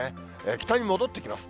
北に戻ってきます。